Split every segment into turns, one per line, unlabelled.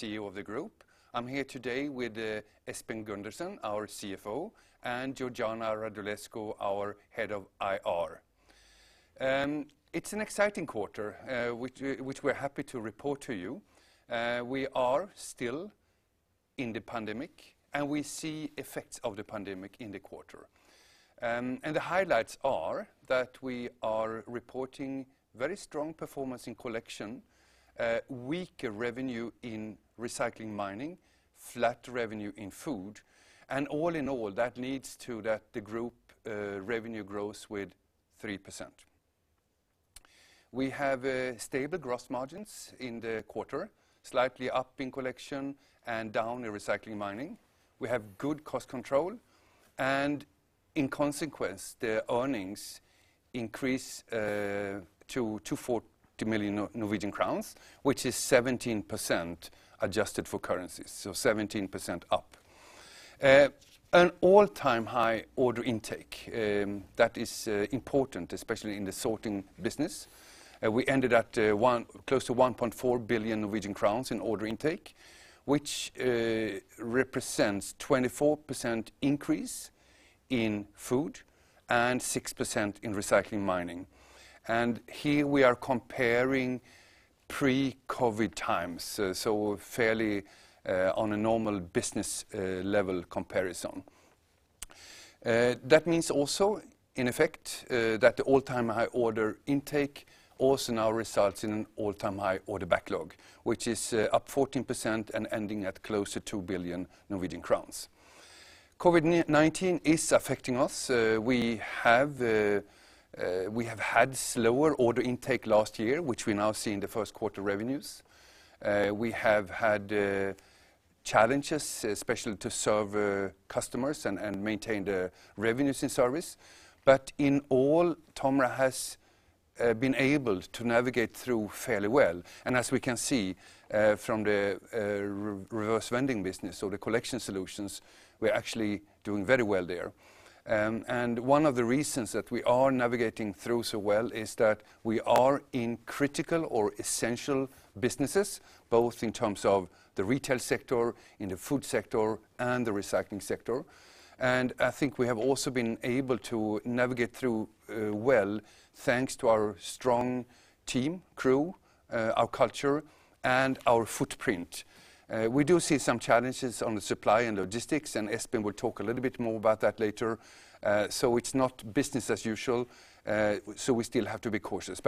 CEO of the group. I'm here today with Espen Gundersen, our CFO, and Georgiana Radulescu, our head of IR. It's an exciting quarter, which we're happy to report to you. We are still in the pandemic, and we see effects of the pandemic in the quarter. The highlights are that we are reporting very strong performance in Collection, weaker revenue in Recycling and Mining, flat revenue in Food, and all in all, that leads to that the group revenue grows with 3%. We have stable gross margins in the quarter, slightly up in Collection and down in Recycling and Mining. We have good cost control, in consequence, the earnings increase to 240 million Norwegian crowns, which is 17% adjusted for currencies, 17% up. An all-time high order intake. That is important, especially in the sorting business. We ended at close to 1.4 billion Norwegian crowns in order intake, which represents 24% increase in TOMRA Food and 6% in TOMRA Recycling and Mining. Here, we are comparing pre-COVID times, fairly on a normal business level comparison. That means also, in effect, that the all-time high order intake also now results in an all-time high order backlog, which is up 14% and ending at close to 2 billion Norwegian crowns. COVID-19 is affecting us. We have had slower order intake last year, which we now see in the first quarter revenues. We have had challenges, especially to serve customers and maintain the revenues in service. In all, TOMRA has been able to navigate through fairly well, and as we can see from the reverse vending business or the collection solutions, we're actually doing very well there. One of the reasons that we are navigating through so well is that we are in critical or essential businesses, both in terms of the retail sector, in the food sector, and the recycling sector. I think we have also been able to navigate through well, thanks to our strong team, crew, our culture, and our footprint. We do see some challenges on the supply and logistics, and Espen Gundersen will talk a little bit more about that later. It's not business as usual, so we still have to be cautious.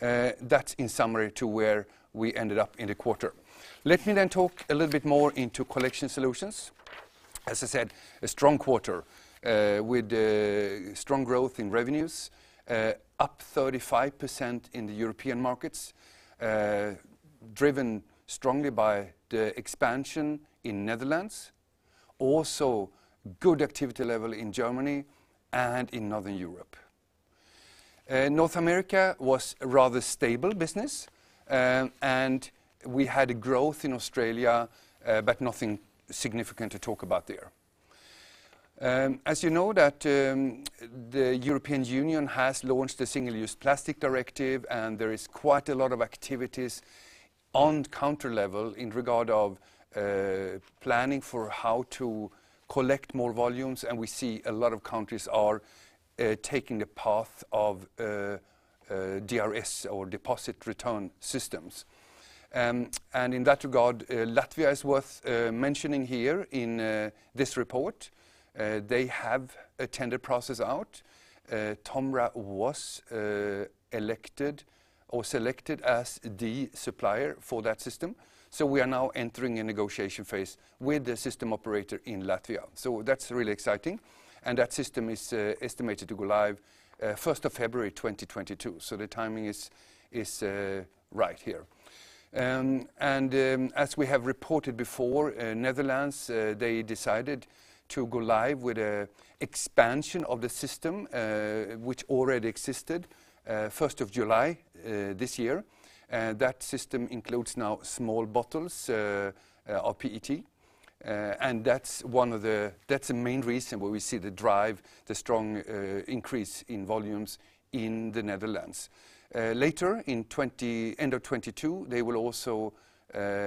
That's in summary to where we ended up in the quarter. Let me talk a little bit more into Collection solutions. As I said, a strong quarter with strong growth in revenues, up 35% in the European markets, driven strongly by the expansion in Netherlands. Good activity level in Germany and in Northern Europe. North America was a rather stable business, and we had a growth in Australia, but nothing significant to talk about there. As you know that the European Union has launched a Single-Use Plastics Directive, and there is quite a lot of activities on the country level in regard of planning for how to collect more volumes, and we see a lot of countries are taking the path of DRS or deposit return systems. In that regard, Latvia is worth mentioning here in this report. They have a tender process out. Tomra was elected or selected as the supplier for that system, so we are now entering a negotiation phase with the system operator in Latvia. That's really exciting, and that system is estimated to go live 1st of February 2022, so the timing is right here. As we have reported before, Netherlands, they decided to go live with an expansion of the system, which already existed, 1st of July this year. That system includes now small bottles, rPET, and that's a main reason where we see the drive, the strong increase in volumes in the Netherlands. Later, end of 2022, they will also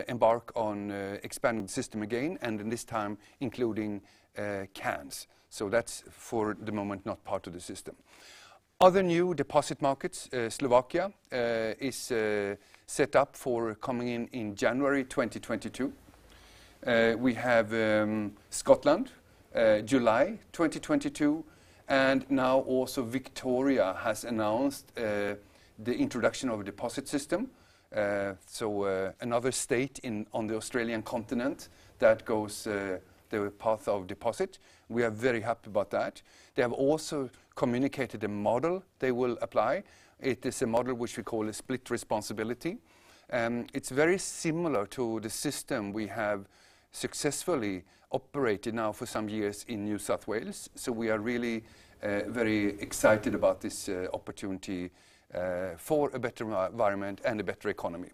embark on expanding the system again, and this time, including cans. That's, for the moment, not part of the system. Other new deposit markets, Slovakia, is set up for coming in in January 2022. We have Scotland, July 2022, and now also Victoria has announced the introduction of a deposit system, so another state on the Australian continent that goes the path of deposit. We are very happy about that. They have also communicated a model they will apply. It is a model which we call a split responsibility. It's very similar to the system we have successfully operated now for some years in New South Wales, so we are really very excited about this opportunity for a better environment and a better economy.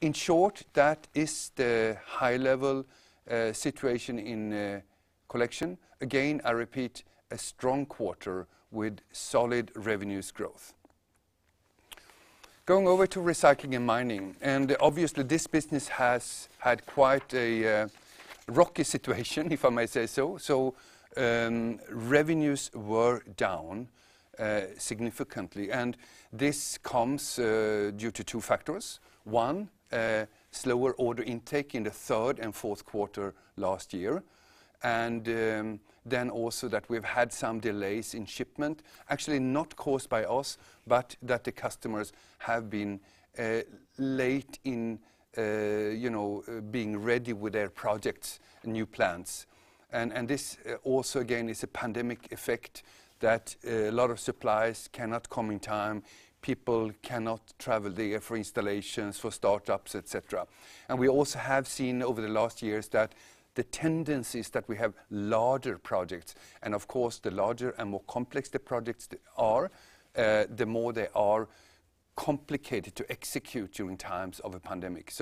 In short, that is the high-level situation in Collection. Again, I repeat, a strong quarter with solid revenues growth. Going over to Recycling and Mining, and obviously this business has had quite a rocky situation, if I may say so. Revenues were down significantly, and this comes due to two factors. One, slower order intake in the third and fourth quarter last year, and then also that we've had some delays in shipment, actually not caused by us, but that the customers have been late in being ready with their projects and new plans. This also again is a pandemic effect that a lot of suppliers cannot come in time, people cannot travel there for installations, for startups, et cetera. We also have seen over the last years that the tendencies that we have larger projects, and of course, the larger and more complex the projects are, the more they are complicated to execute during times of a pandemic.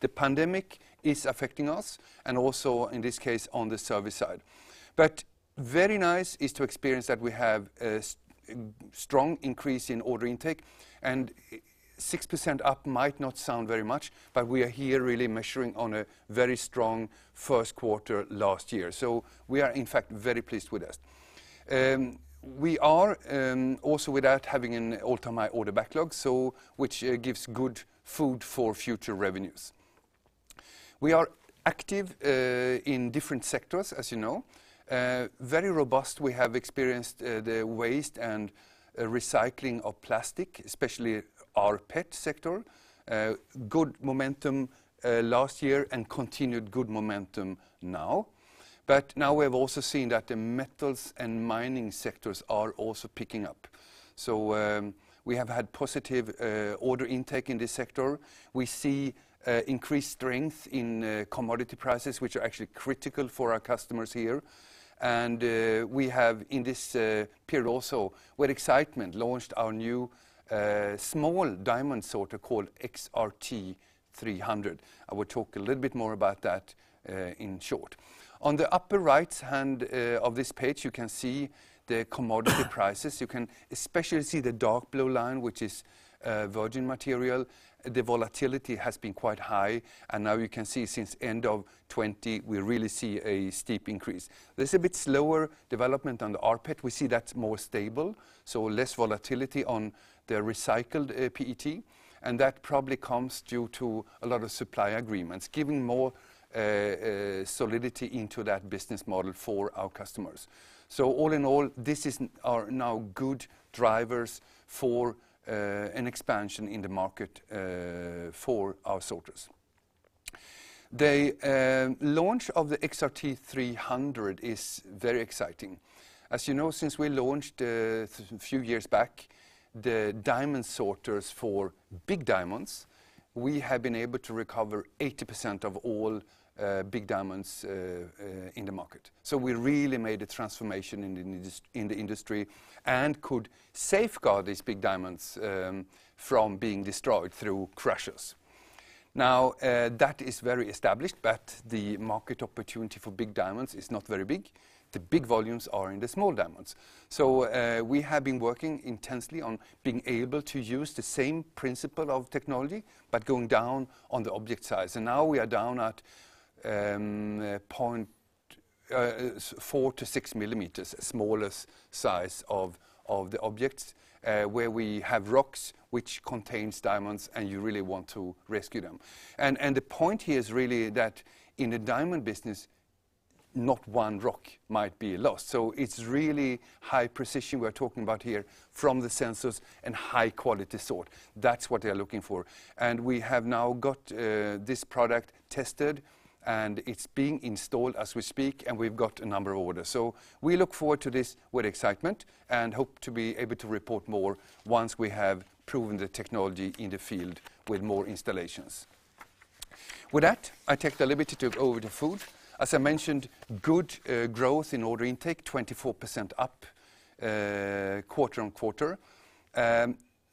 The pandemic is affecting us and also in this case, on the service side. Very nice is to experience that we have a strong increase in order intake and 6% up might not sound very much, but we are here really measuring on a very strong first quarter last year. We are in fact very pleased with this. We are also without having an all-time high order backlog, which gives good food for future revenues. We are active in different sectors, as you know. Very robust, we have experienced the waste and recycling of plastic, especially rPET sector. Good momentum last year and continued good momentum now. Now we have also seen that the metals and mining sectors are also picking up. We have had positive order intake in this sector. We see increased strength in commodity prices, which are actually critical for our customers here. We have in this period also with excitement, launched our new small diamond sorter called XRT 300. I will talk a little bit more about that in short. On the upper right hand of this page, you can see the commodity prices. You can especially see the dark blue line, which is virgin material. The volatility has been quite high, and now you can see since end of 2020, we really see a steep increase. There's a bit slower development on the rPET, we see that's more stable, so less volatility on the recycled PET, and that probably comes due to a lot of supply agreements, giving more solidity into that business model for our customers. All in all, this are now good drivers for an expansion in the market for our sorters. The launch of the XRT 300 is very exciting. As you know, since we launched a few years back, the diamond sorters for big diamonds, we have been able to recover 80% of all big diamonds in the market. We really made a transformation in the industry and could safeguard these big diamonds from being destroyed through crushers. Now, that is very established, but the market opportunity for big diamonds is not very big. The big volumes are in the small diamonds. We have been working intensely on being able to use the same principle of technology, but going down on the object size. Now we are down at 0.4 to six millimeters, smallest size of the objects, where we have rocks which contains diamonds, and you really want to rescue them. The point here is really that in the diamond business, not one rock might be lost. It's really high precision we're talking about here from the sensors and high quality sort. That's what they're looking for. We have now got this product tested and it's being installed as we speak, and we've got a number of orders. We look forward to this with excitement and hope to be able to report more once we have proven the technology in the field with more installations. With that, I take the liberty to go over to TOMRA Food. As I mentioned, good growth in order intake, 24% up quarter-over-quarter.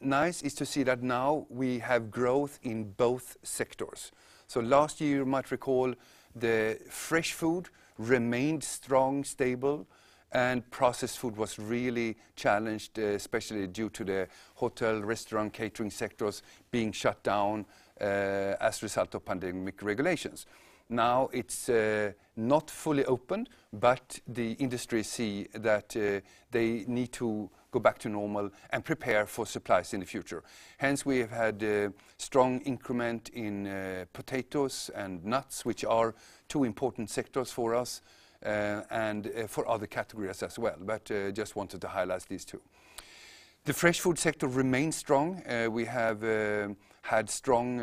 Nice is to see that now we have growth in both sectors. Last year, you might recall the fresh food remained strong, stable, and processed food was really challenged, especially due to the hotel, restaurant, catering sectors being shut down, as a result of pandemic regulations. Now it's not fully open, but the industry see that they need to go back to normal and prepare for supplies in the future. Hence, we have had a strong increment in potatoes and nuts, which are two important sectors for us, and for other categories as well. Just wanted to highlight these two. The fresh food sector remains strong. We have had strong,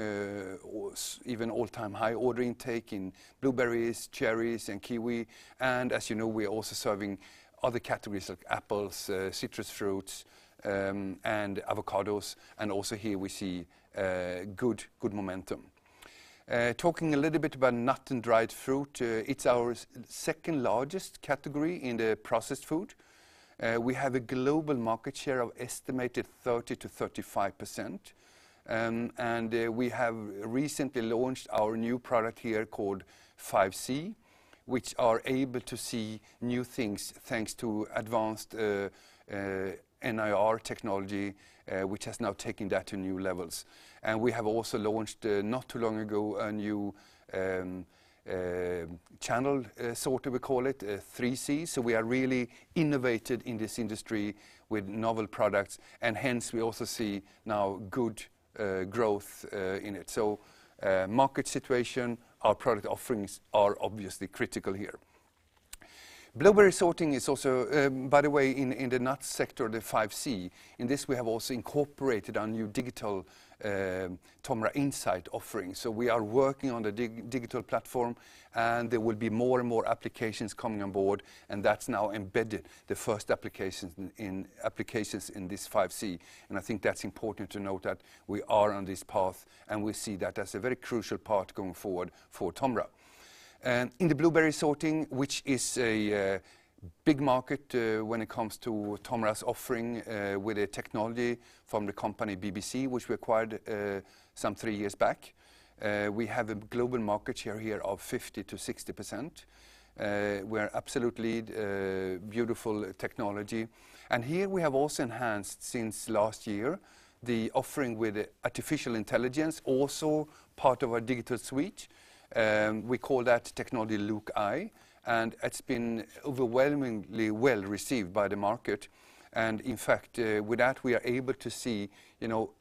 even all-time high order intake in blueberries, cherries, and kiwi. As you know, we are also serving other categories like apples, citrus fruits, and avocados. Also here we see good momentum. Talking a little bit about nuts and dried fruit, it's our second largest category in the processed food. We have a global market share of estimated 30%-35%. We have recently launched our new product here called TOMRA 5C, which are able to see new things thanks to advanced NIR technology, which has now taken that to new levels. We have also launched, not too long ago, a new channel sorter, we call it, TOMRA 3C. We are really innovated in this industry with novel products, and hence we also see now good growth in it. Market situation, our product offerings are obviously critical here. Blueberry sorting is also, by the way, in the nuts sector, the TOMRA 5C. In this, we have also incorporated our new digital TOMRA Insight offering. We are working on the digital platform, and there will be more and more applications coming on board, and that's now embedded the first applications in this TOMRA 5C. I think that's important to note that we are on this path, and we see that as a very crucial part going forward for Tomra. In the blueberry sorting, which is a big market when it comes to Tomra's offering, with the technology from the company BBC, which we acquired some three years back. We have a global market share here of 50%-60%. We have absolutely beautiful technology. Here we have also enhanced, since last year, the offering with artificial intelligence, also part of our digital suite. We call that technology LUCAi, and it's been overwhelmingly well-received by the market. In fact, with that, we are able to see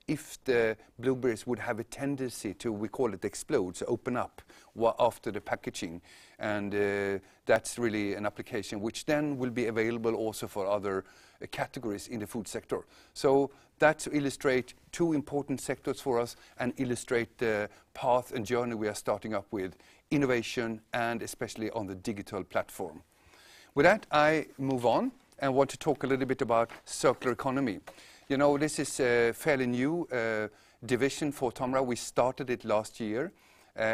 if the blueberries would have a tendency to, we call it, explode, to open up, after the packaging. That's really an application which then will be available also for other categories in the food sector. That illustrates two important sectors for us and illustrate the path and journey we are starting up with innovation and especially on the digital platform. With that, I move on and want to talk a little bit about circular economy. This is a fairly new division for Tomra. We started it last year.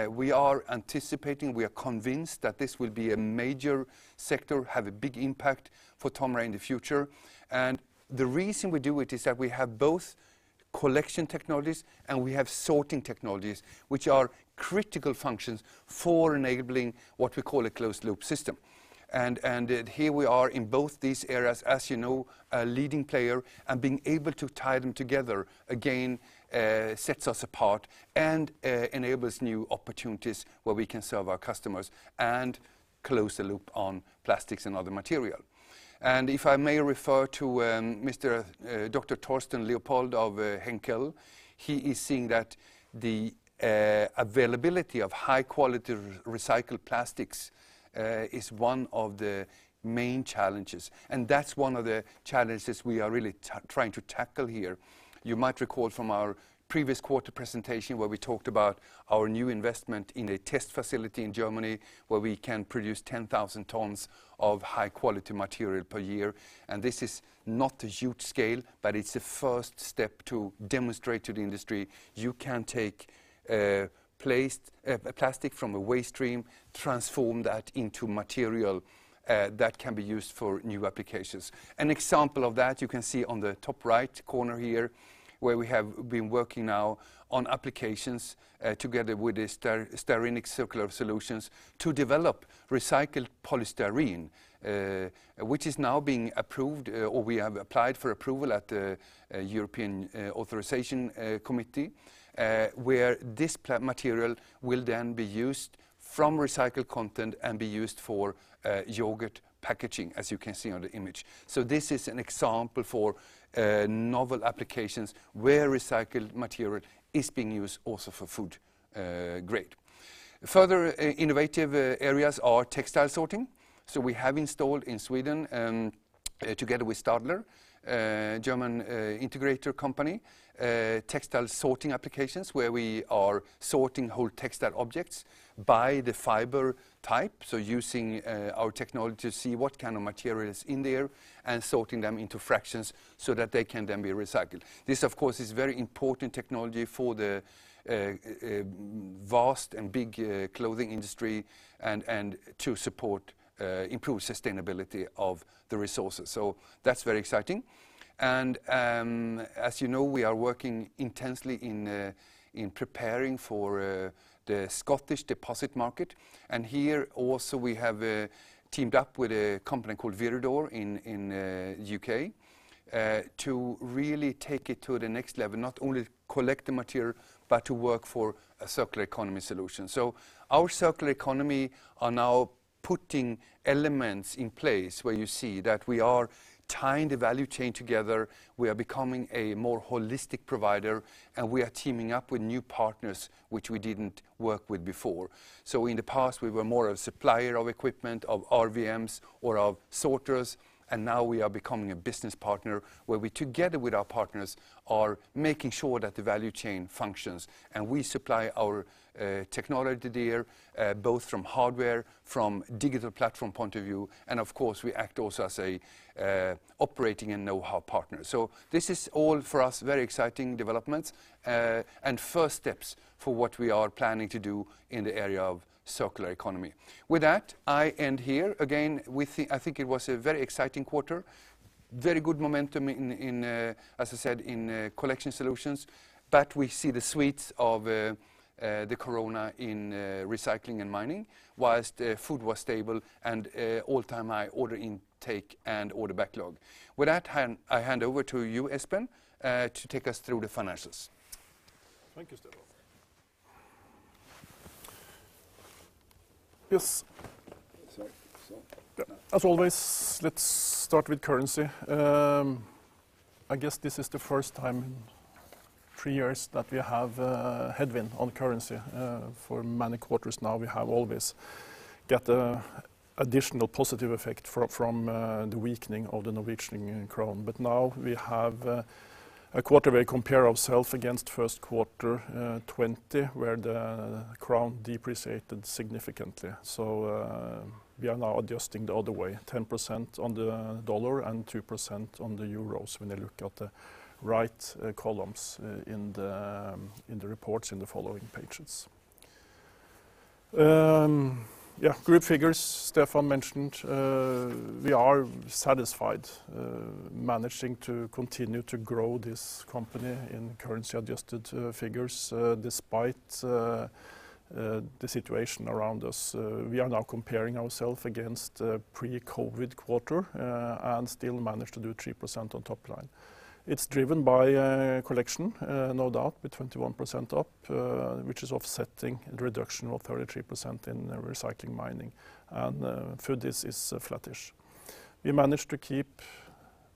We are anticipating, we are convinced that this will be a major sector, have a big impact for Tomra in the future. The reason we do it is that we have both collection technologies, and we have sorting technologies, which are critical functions for enabling what we call a closed-loop system. Here we are in both these areas, as you know, a leading player and being able to tie them together, again, sets us apart and enables new opportunities where we can serve our customers and close the loop on plastics and other material. If I may refer to Dr. Thorsten Leopold of Henkel, he is seeing that the availability of high-quality recycled plastics is one of the main challenges, and that's one of the challenges we are really trying to tackle here. You might recall from our previous quarter presentation where we talked about our new investment in a test facility in Germany, where we can produce 10,000 tons of high-quality material per year. This is not a huge scale, but it's a first step to demonstrate to the industry you can take plastic from a waste stream, transform that into material that can be used for new applications. An example of that you can see on the top right corner here, where we have been working now on applications, together with Styrenics Circular Solutions, to develop recycled polystyrene, which is now being approved, or we have applied for approval at the European Authorization Committee, where this material will then be used from recycled content and be used for yogurt packaging, as you can see on the image. This is an example for novel applications where recycled material is being used also for food grade. Further innovative areas are textile sorting. We have installed in Sweden, together with Stadler, a German integrator company, textile sorting applications where we are sorting whole textile objects by the fiber type. Using our technology to see what kind of material is in there and sorting them into fractions so that they can then be recycled. This, of course, is very important technology for the vast and big clothing industry and to support improved sustainability of the resources. That's very exciting. As you know, we are working intensely in preparing for the Scottish deposit market. Here also, we have teamed up with a company called Viridor in U.K., to really take it to the next level, not only collect the material, but to work for a Circular Economy solution. Our Circular Economy are now putting elements in place where you see that we are tying the value chain together, we are becoming a more holistic provider, and we are teaming up with new partners which we didn't work with before. In the past, we were more a supplier of equipment, of RVMs, or of sorters, and now we are becoming a business partner where we, together with our partners, are making sure that the value chain functions. We supply our technology there, both from hardware, from digital platform point of view, and of course, we act also as a operating and know-how partner. This is all for us, very exciting developments, and first steps for what we are planning to do in the area of Circular Economy. With that, I end here. I think it was a very exciting quarter. Very good momentum, as I said, in collection solutions, but we see the suites of the corona in recycling and mining, while food was stable and all-time high order intake and order backlog. With that, I hand over to you, Espen, to take us through the financials.
Thank you, Stefan. Yes. Always, let's start with currency. I guess this is the first time in three years that we have a headwind on currency. For many quarters now, we have always got additional positive effect from the weakening of the Norwegian crown. Now we have a quarter where compare ourselves against first quarter 2020, where the crown depreciated significantly. We are now adjusting the other way, 10% on the USD and 2% on the EUR. When you look at the right columns in the reports in the following pages. Group figures Stefan mentioned, we are satisfied, managing to continue to grow this company in currency-adjusted figures, despite the situation around us. We are now comparing ourselves against pre-COVID quarter, still managed to do 3% on top line. It's driven by TOMRA Collection, no doubt, with 21% up, which is offsetting the reduction of 33% in TOMRA Recycling, and TOMRA Food is flattish. We managed to keep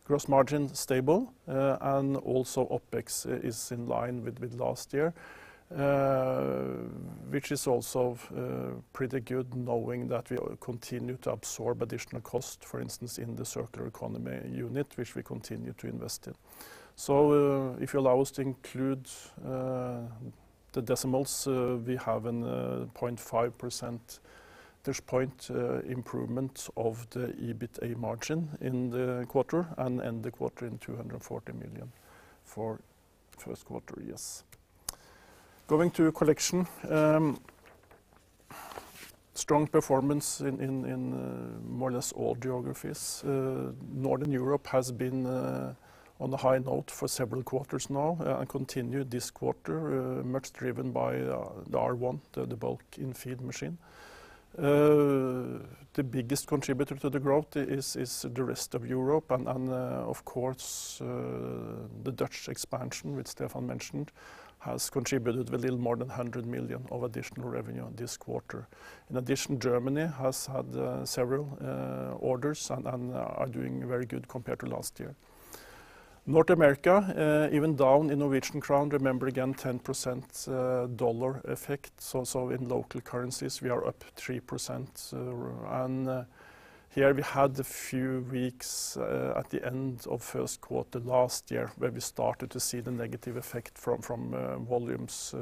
gross margin stable. Also OpEx is in line with last year, which is also pretty good knowing that we continue to absorb additional cost, for instance, in the Circular Economy unit, which we continue to invest in. If you allow us to include the decimals, we have a 0.5% improvement of the EBITA margin in the quarter, and end the quarter in 240 million for first quarter years. Going to TOMRA Collection. Strong performance in more or less all geographies. Northern Europe has been on the high note for several quarters now, and continued this quarter, much driven by the TOMRA R1, the bulk in-feed machine. The biggest contributor to the growth is the rest of Europe. Of course, the Dutch expansion, which Stefan mentioned, has contributed a little more than 100 million of additional revenue this quarter. Germany has had several orders and are doing very good compared to last year. North America, even down in NOK, remember again, 10% dollar effect. In local currencies, we are up 3%. Here we had a few weeks at the end of first quarter last year where we started to see the negative effect from volumes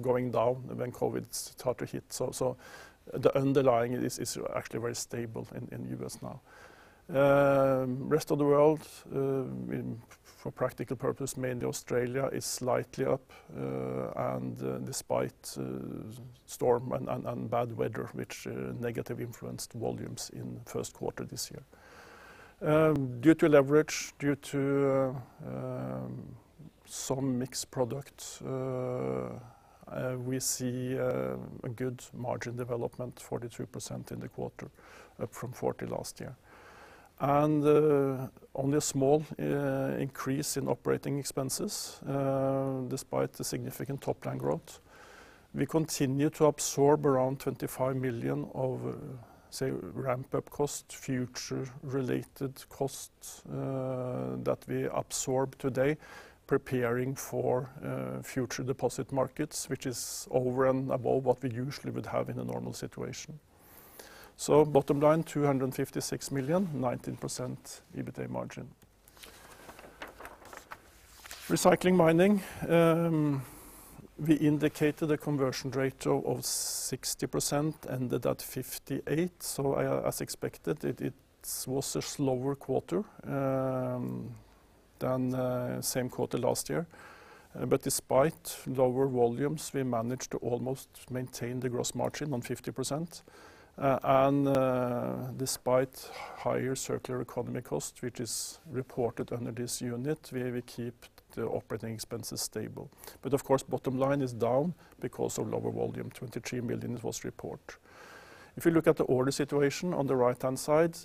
going down when COVID started to hit. The underlying is actually very stable in the U.S. now. Rest of the world, for practical purpose, mainly Australia, is slightly up. Despite storm and unbad weather, which negatively influenced volumes in first quarter this year. Due to leverage, due to some mixed products, we see a good margin development, 43% in the quarter, up from 40% last year. Only a small increase in operating expenses, despite the significant top-line growth. We continue to absorb around 25 million of, say, ramp-up costs, future-related costs that we absorb today, preparing for future deposit markets, which is over and above what we usually would have in a normal situation. Bottom line, 256 million, 19% EBITA margin. TOMRA Recycling, we indicated a conversion rate of 60%, ended at 58%, as expected, it was a slower quarter than same quarter last year. Despite lower volumes, we managed to almost maintain the gross margin on 50%, and despite higher Circular Economy cost, which is reported under this unit, we will keep the operating expenses stable. Of course, bottom line is down because of lower volume, 23 million was report. If you look at the order situation on the right-hand side,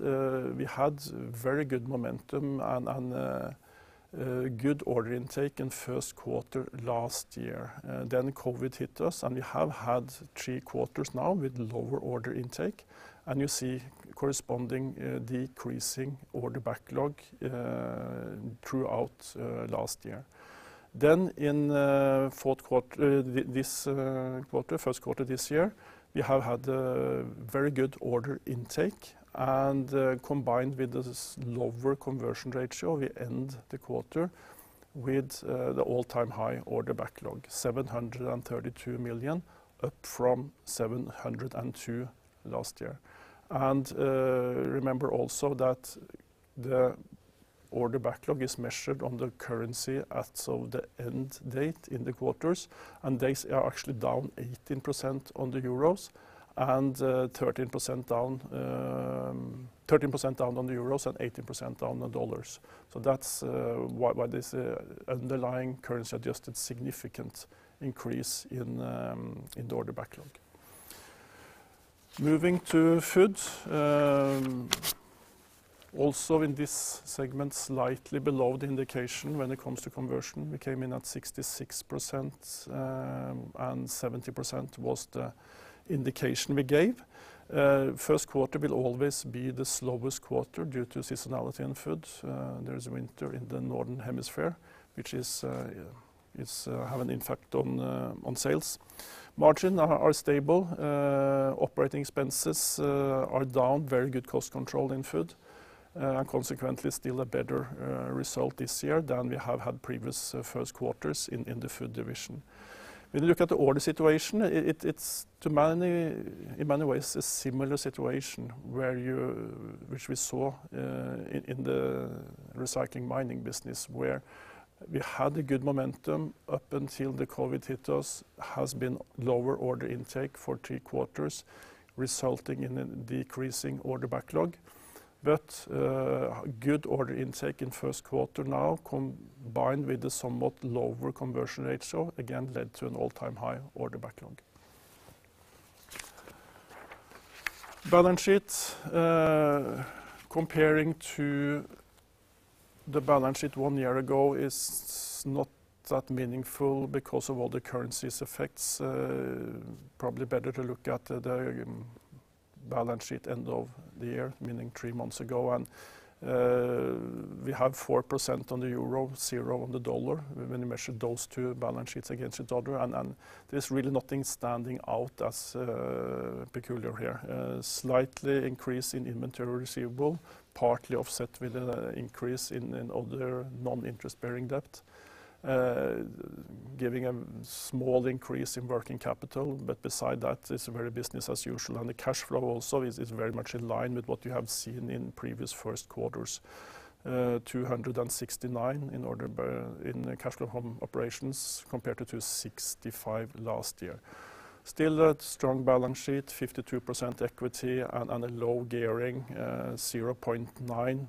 we had very good momentum and good order intake in first quarter last year. COVID hit us, and we have had three quarters now with lower order intake, and you see corresponding decreasing order backlog throughout last year. In first quarter this year, we have had very good order intake, and combined with this lower conversion ratio, we end the quarter with the all-time high order backlog, 732 million, up from 702 last year. Remember also that the order backlog is measured on the currency at the end date in the quarters, and they are actually down 18% on EUR and 13% down on EUR and 18% down on dollars. That's why this underlying currency-adjusted significant increase in order backlog. Moving to Food. In this segment, slightly below the indication when it comes to conversion. We came in at 66%, and 70% was the indication we gave. First quarter will always be the slowest quarter due to seasonality in Food. There is winter in the northern hemisphere, which has an impact on sales. Margins are stable. Operating expenses are down. Very good cost control in Food, and consequently, still a better result this year than we have had previous first quarters in the Food division. If we look at the order situation, it's in many ways a similar situation which we saw in the Recycling Mining business, where we had a good momentum up until the COVID hit us, has been lower order intake for three quarters, resulting in a decreasing order backlog. Good order intake in first quarter now, combined with the somewhat lower conversion ratio, again led to an all-time high order backlog. Balance sheet. Comparing to the balance sheet one year ago is not that meaningful because of all the currency effects. Probably better to look at the balance sheet end of the year, meaning three months ago, and we have 4% on the euro, zero on the dollar, when we measured those two balance sheets against each other, and there's really nothing standing out as peculiar here. Slight increase in inventory receivable, partly offset with an increase in other non-interest-bearing debt, giving a small increase in working capital. Besides that, it's very business as usual, and the cash flow also is very much in line with what you have seen in previous first quarters. 269 in cash flow operations compared to 265 last year. Still a strong balance sheet, 52% equity, and a low gearing, 0.9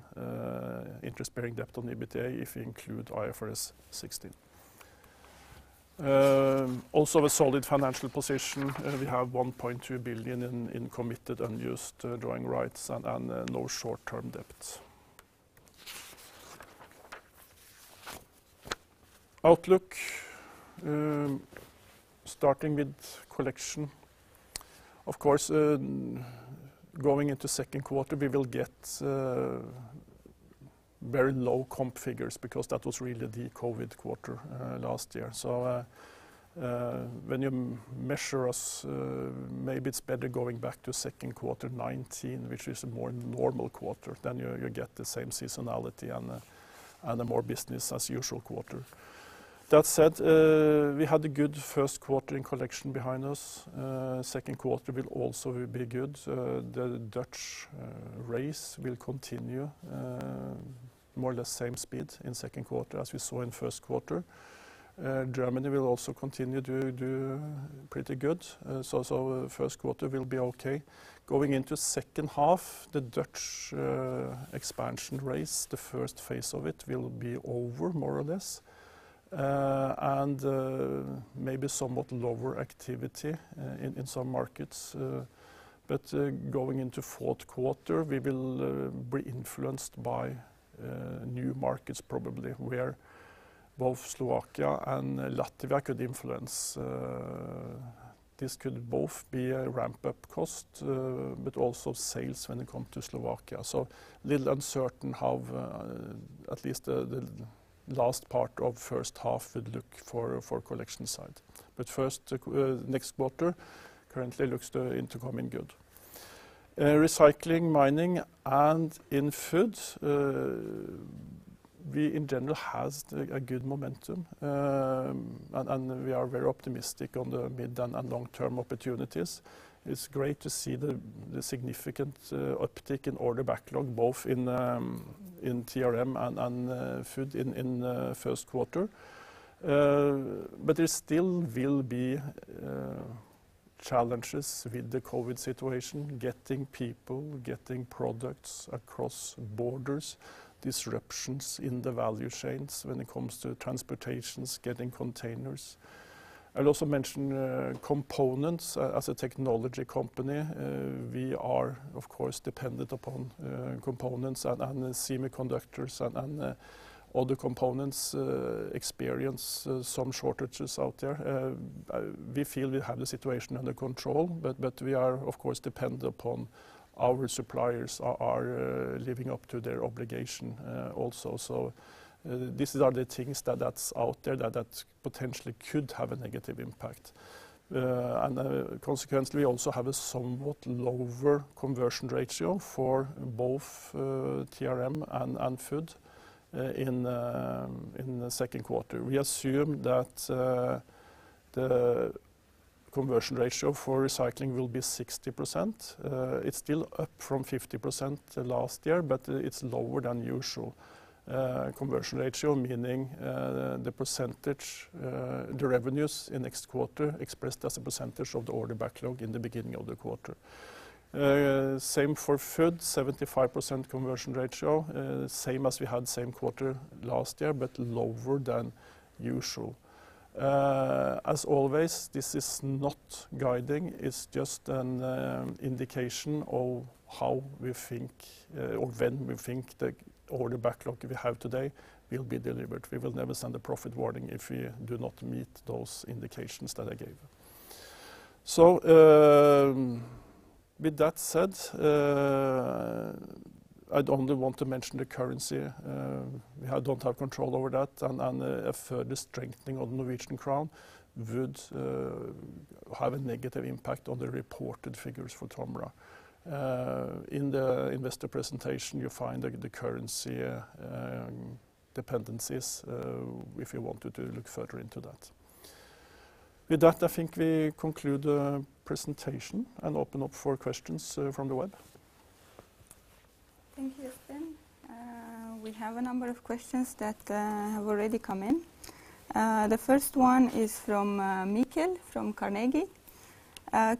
interest-bearing debt on EBITDA, if you include IFRS 16. A solid financial position. We have 1.2 billion in committed, unused drawing rights and no short-term debt. Outlook. Starting with TOMRA Collection. Of course, going into second quarter, we will get very low figures because that was really the COVID quarter last year. When you measure us, maybe it's better going back to Q2 2019, which is a more normal quarter. You get the same seasonality and a more business-as-usual quarter. That said, we had a good first quarter in TOMRA Collection behind us. Second quarter will also be good. The Dutch DRS will continue more or less same speed in second quarter as we saw in first quarter. Germany will also continue to do pretty good. First quarter will be okay. Going into second half, the Dutch expansion race, the first phase of it will be over, more or less, and maybe somewhat lower activity in some markets. Going into fourth quarter, we will be influenced by new markets, probably, where both Slovakia and Latvia could influence. This could both be a ramp-up cost, but also sales when it comes to Slovakia. A little uncertain how at least the last part of first half would look for Collection side. Next quarter currently looks into coming good. TOMRA Recycling and in Food, we, in general, has a good momentum, and we are very optimistic on the mid and long-term opportunities. It's great to see the significant uptick in order backlog, both in TRM and Food in first quarter. There still will be challenges with the COVID situation, getting people, getting products across borders, disruptions in the value chains when it comes to transportations, getting containers. I'll also mention components. As a technology company, we are, of course, dependent upon components, and semiconductors and other components experience some shortages out there. We feel we have the situation under control, but we are, of course, dependent upon our suppliers are living up to their obligation also. These are the things that's out there that potentially could have a negative impact. Consequently, we also have a somewhat lower conversion ratio for both TRM and Food in the second quarter. We assume that the conversion ratio for Recycling will be 60%. It's still up from 50% last year, but it's lower than usual conversion ratio, meaning the percentage, the revenues in next quarter expressed as a percentage of the order backlog in the beginning of the quarter. Same for food, 75% conversion ratio. Same as we had same quarter last year, but lower than usual. As always, this is not guiding, it's just an indication of how we think, or when we think the order backlog we have today will be delivered. We will never send a profit warning if we do not meet those indications that I gave. With that said, I'd only want to mention the currency. We don't have control over that and a further strengthening of Norwegian krone would have a negative impact on the reported figures for Tomra. In the investor presentation, you'll find the currency dependencies, if you wanted to look further into that. With that, I think we conclude the presentation and open up for questions from the web.
Thank you, Espen. We have a number of questions that have already come in. The first one is from Mikkel from Carnegie.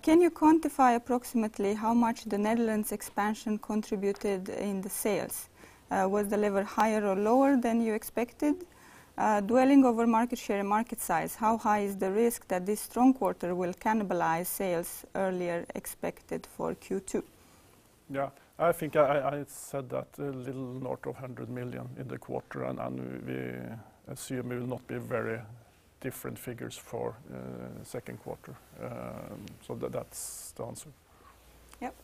Can you quantify approximately how much the Netherlands expansion contributed in the sales? Was the level higher or lower than you expected? Dwelling over market share and market size, how high is the risk that this strong quarter will cannibalize sales earlier expected for Q2?
I think I said that a little north of 100 million in the quarter. We assume it will not be very different figures for second quarter. That's the answer.
Yep.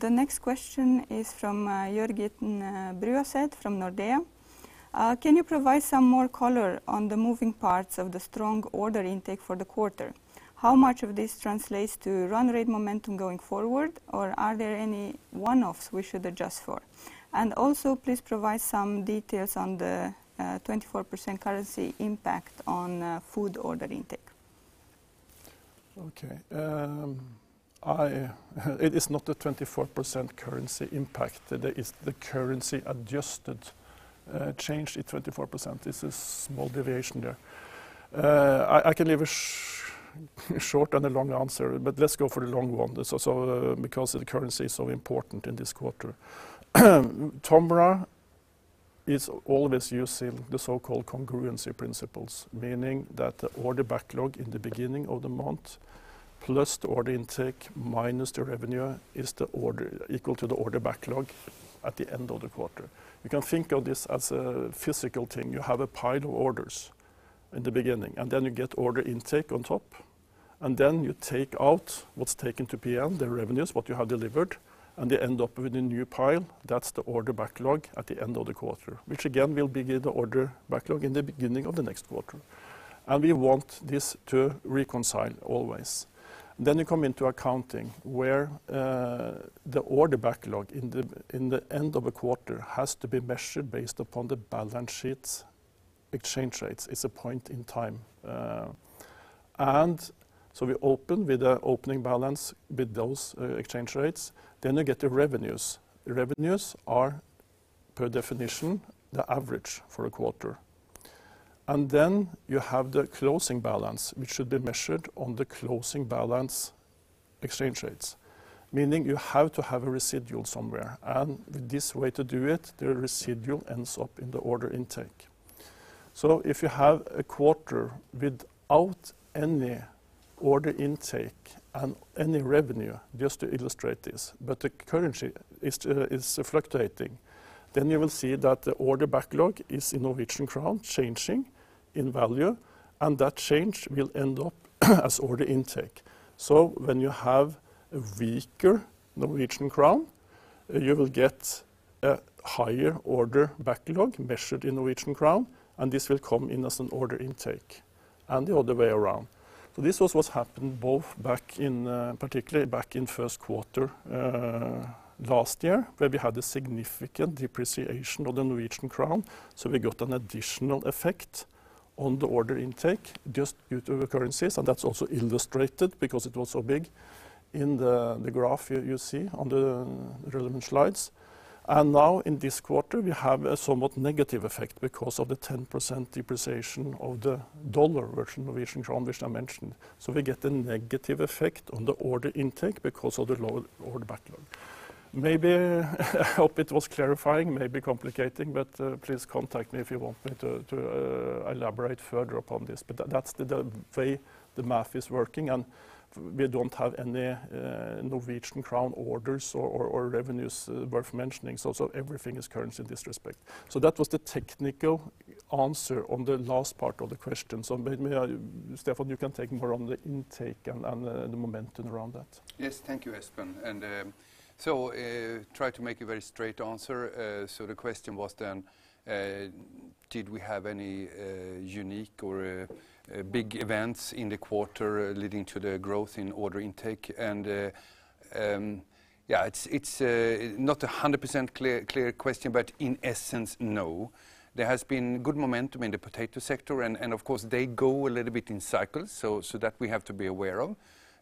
The next question is from Jørgen Bruaset from Nordea. Can you provide some more color on the moving parts of the strong order intake for the quarter? How much of this translates to run rate momentum going forward, or are there any one-offs we should adjust for? Also, please provide some details on the 24% currency impact on food order intake?
Okay. It is not a 24% currency impact. That is the currency-adjusted change in 24%. This is small deviation there. I can leave a short and a long answer, let's go for the long one. That's also because the currency is so important in this quarter. Tomra is always using the so-called congruence principles, meaning that the order backlog in the beginning of the month, plus the order intake, minus the revenue, is equal to the order backlog at the end of the quarter. You can think of this as a physical thing. You have a pile of orders in the beginning, then you get order intake on top, then you take out what's taken to P&L, the revenues, what you have delivered, they end up with a new pile. That's the order backlog at the end of the quarter, which again will be the order backlog in the beginning of the next quarter. We want this to reconcile always. You come into accounting, where the order backlog in the end of a quarter has to be measured based upon the balance sheet exchange rates. It's a point in time. So we open with the opening balance with those exchange rates. You get the revenues. Revenues are, per definition, the average for a quarter. You have the closing balance, which should be measured on the closing balance exchange rates, meaning you have to have a residual somewhere. With this way to do it, the residual ends up in the order intake. If you have a quarter without any order intake and any revenue, just to illustrate this, but the currency is fluctuating, then you will see that the order backlog is in NOK changing in value, and that change will end up as order intake. When you have a weaker NOK, you will get a higher order backlog measured in NOK, and this will come in as an order intake, and the other way around. This was what's happened both back in, particularly back in first quarter last year, where we had a significant depreciation of the NOK. We got an additional effect on the order intake just due to currencies, and that's also illustrated because it was so big in the graph you see on the relevant slides. Now in this quarter, we have a somewhat negative effect because of the 10% depreciation of the USD versus NOK, which I mentioned. We get a negative effect on the order intake because of the lower order backlog. Maybe, I hope it was clarifying, maybe complicating, please contact me if you want me to elaborate further upon this. That's the way the math is working, we don't have any NOK orders or revenues worth mentioning. Everything is currency in this respect. That was the technical answer on the last part of the question. Maybe, Stefan, you can take more on the intake and the momentum around that.
Yes, thank you, Espen. I'll try to make a very straight answer. The question was, did we have any unique or big events in the quarter leading to the growth in order intake? Yeah, it's not 100% clear question, in essence, no. There has been good momentum in the potato sector, and of course, they go a little bit in cycles, so that we have to be aware of.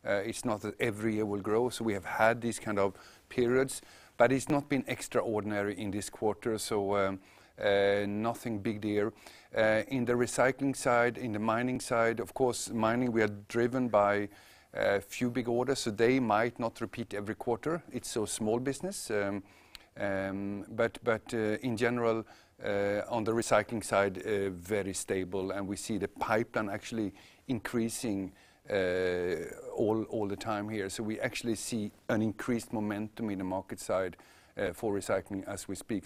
It's not that every year will grow, so we have had these kind of periods, but it's not been extraordinary in this quarter, so nothing big there. In the recycling side, in the mining side, of course, mining, we are driven by a few big orders, so they might not repeat every quarter. It's so small business. In general, on the recycling side, very stable, and we see the pipeline actually increasing all the time here. We actually see an increased momentum in the market side for recycling as we speak.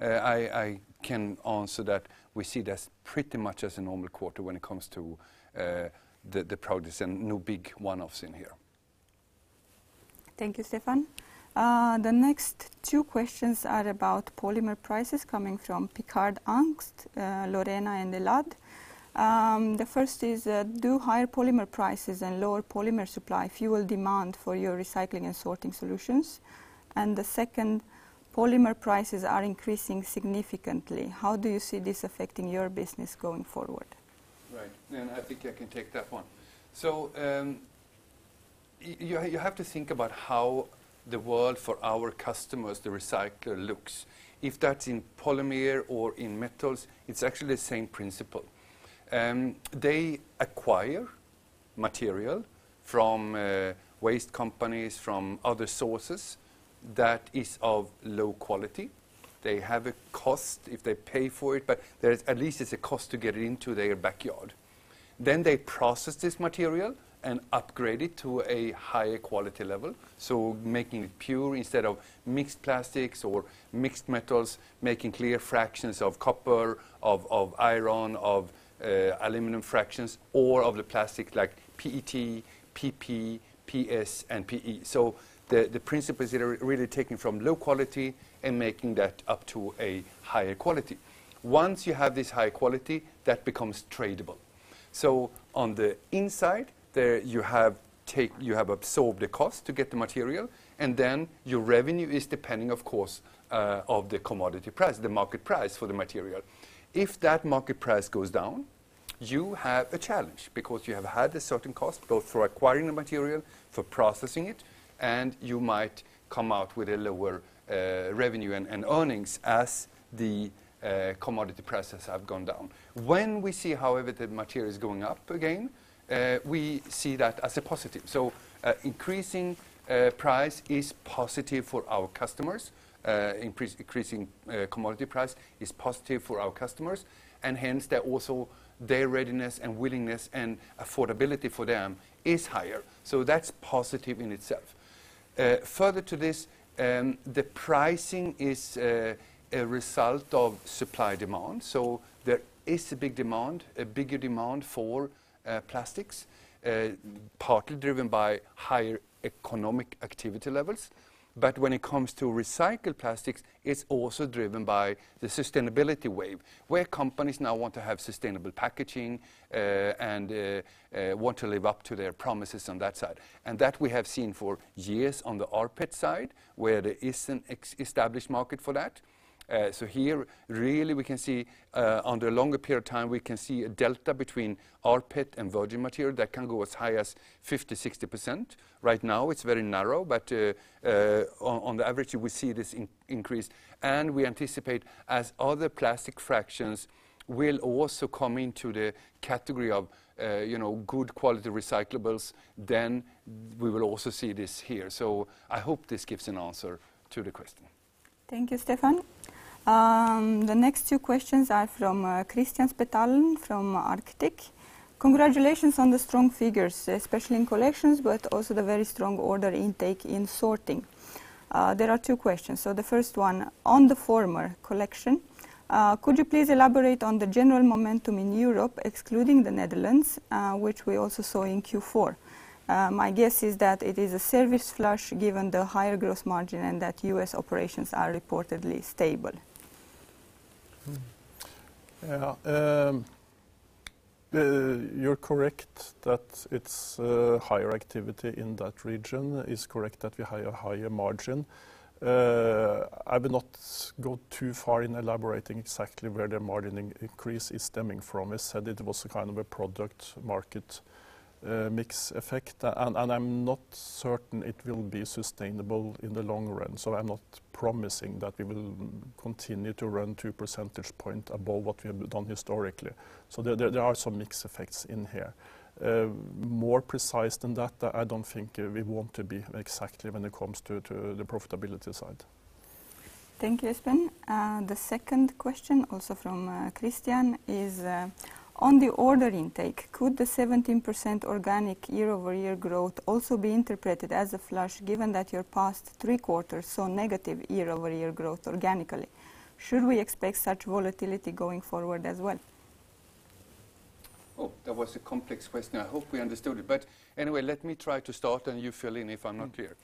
I can answer that we see it as pretty much as a normal quarter when it comes to the progress and no big one-offs in here.
Thank you, Stefan. The next two questions are about polymer prices coming from Picard Angst, Lorena, and Elad. The first is, do higher polymer prices and lower polymer supply fuel demand for your recycling and sorting solutions? The second, polymer prices are increasing significantly. How do you see this affecting your business going forward?
Right. I think I can take that one. You have to think about how the world for our customers, the recycler, looks. If that's in polymer or in metals, it's actually the same principle. They acquire material from waste companies, from other sources that is of low quality. They have a cost if they pay for it, but there's at least it's a cost to get it into their backyard. They process this material and upgrade it to a higher quality level. Making it pure instead of mixed plastics or mixed metals, making clear fractions of copper, of iron, of aluminum fractions, or of the plastic like PET, PP, PS, and PE. The principle is really taking from low quality and making that up to a higher quality. Once you have this high quality, that becomes tradable. On the inside, you have absorbed the cost to get the material, your revenue is depending, of course, on the commodity price, the market price for the material. If that market price goes down, you have a challenge because you have had a certain cost both for acquiring the material, for processing it, and you might come out with a lower revenue and earnings as the commodity prices have gone down. When we see, however, the material is going up again, we see that as a positive. Increasing price is positive for our customers, increasing commodity price is positive for our customers, hence that also their readiness and willingness and affordability for them is higher. That's positive in itself. Further to this, the pricing is a result of supply-demand, so there is a big demand, a bigger demand for plastics, partly driven by higher economic activity levels. When it comes to recycled plastics, it is also driven by the sustainability wave, where companies now want to have sustainable packaging, and want to live up to their promises on that side. That we have seen for years on the rPET side, where there is an established market for that. Here, really we can see, under a longer period of time, we can see a delta between rPET and virgin material that can go as high as 50%-60%. Right now, it is very narrow, but on the average, we see this increase, and we anticipate as other plastic fractions will also come into the category of good quality recyclables, then we will also see this here. I hope this gives an answer to the question.
Thank you, Stefan. The next two questions are from Kristian Spetalen from Arctic Securities. Congratulations on the strong figures, especially in TOMRA Collection, but also the very strong order intake in sorting. There are two questions. The first one, on TOMRA Collection, could you please elaborate on the general momentum in Europe, excluding the Netherlands, which we also saw in Q4? My guess is that it is a service flush given the higher growth margin and that U.S. operations are reportedly stable.
Yeah. You're correct that it's higher activity in that region. It's correct that we have a higher margin. I will not go too far in elaborating exactly where the margin increase is stemming from. I said it was a kind of a product market mix effect, and I'm not certain it will be sustainable in the long run. I'm not promising that we will continue to run two percentage point above what we have done historically. There are some mix effects in here. More precise than that, I don't think we want to be exact when it comes to the profitability side.
Thank you, Espen. The second question, also from Kristian, is, on the order intake, could the 17% organic year-over-year growth also be interpreted as a flush given that your past three quarters saw negative year-over-year growth organically? Should we expect such volatility going forward as well?
That was a complex question. I hope we understood it. Anyway, let me try to start, and you fill in if I'm not clear.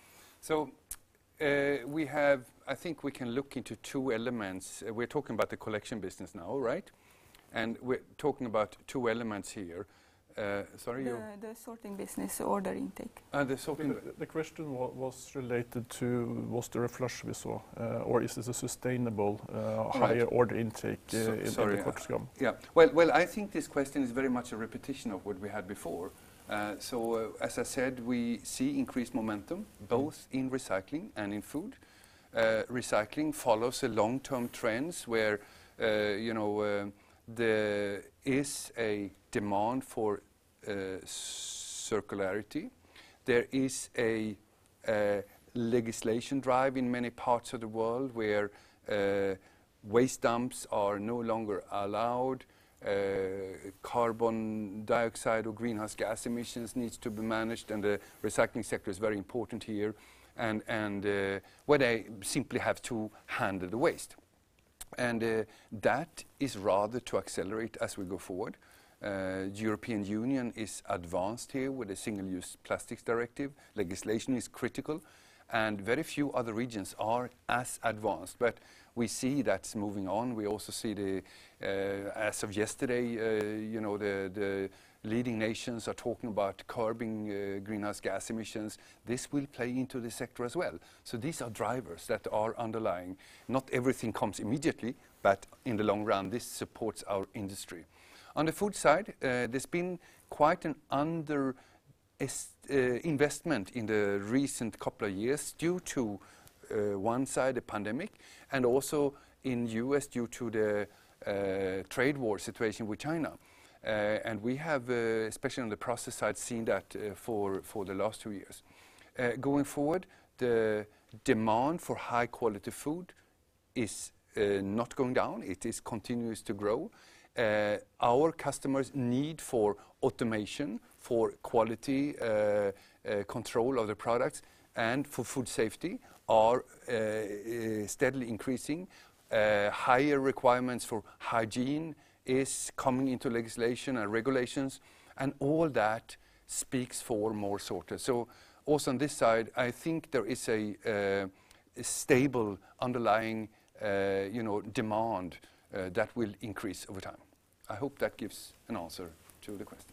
I think we can look into two elements. We're talking about the TOMRA Collection business now, right? We're talking about two elements here. Sorry?
The sorting business, the order intake.
The sorting-
The question was related to was there a flush we saw, or is this a sustainable higher order intake?
Sorry
in the fourth quarter?
Yeah. Well, I think this question is very much a repetition of what we had before. As I said, we see increased momentum both in recycling and in food. Recycling follows the long-term trends where there is a demand for circularity. There is a legislation drive in many parts of the world where waste dumps are no longer allowed, carbon dioxide or greenhouse gas emissions needs to be managed, and the recycling sector is very important here, and where they simply have to handle the waste. That is rather to accelerate as we go forward. European Union is advanced here with the Single-Use Plastics Directive. Legislation is critical, very few other regions are as advanced. We see that's moving on. We also see as of yesterday, the leading nations are talking about curbing greenhouse gas emissions. This will play into the sector as well. These are drivers that are underlying. Not everything comes immediately, but in the long run, this supports our industry. On the food side, there's been quite an under-investment in the recent couple of years due to, one side, the pandemic, and also in U.S., due to the trade war situation with China. We have, especially on the process side, seen that for the last two years. Going forward, the demand for high-quality food is not going down. It continues to grow. Our customers' need for automation, for quality control of the products, and for food safety are steadily increasing. Higher requirements for hygiene is coming into legislation and regulations, and all that speaks for more sorters. Also on this side, I think there is a stable underlying demand that will increase over time. I hope that gives an answer to the question.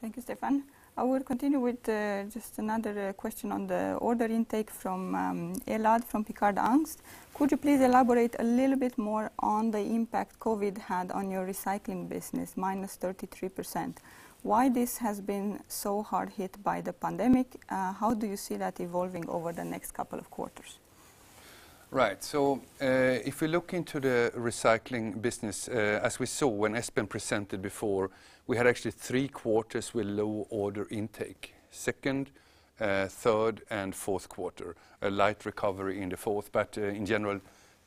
Thank you, Stefan. I will continue with just another question on the order intake from Elad from Picard Angst. Could you please elaborate a little bit more on the impact COVID had on your recycling business, minus 33%? Why this has been so hard hit by the pandemic? How do you see that evolving over the next couple of quarters?
Right. If we look into the recycling business, as we saw when Espen presented before, we had actually three quarters with low order intake, second, third, and fourth quarter. A light recovery in the fourth, but in general,